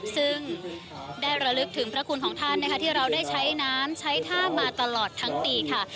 ซึ่งได้ระลึกถึงพระคุณของท่านนะคะที่เราได้ใช้น้ำใช้ท่ามาตลอดทั้งปีค่ะ